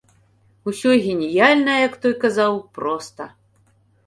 Усё геніяльнае, як той казаў, проста.